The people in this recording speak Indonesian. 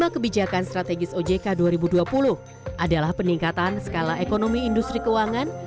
tiga kebijakan strategis ojk dua ribu dua puluh adalah peningkatan skala ekonomi industri keuangan